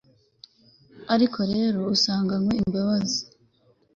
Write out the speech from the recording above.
ariko rero usanganywe imbabazi